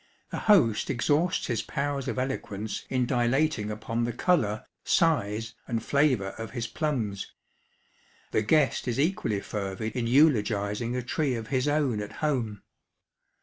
The host exhausts his powers of eloquence in dilating upon the colour, size, and flavour of his plums ; the guest is equally fervid in eulogising a tree of his own at home.